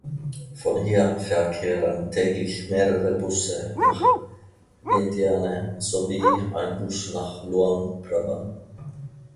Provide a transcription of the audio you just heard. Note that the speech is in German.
Von hier verkehren täglich mehrere Busse nach Vientiane sowie ein Bus nach Luang Prabang.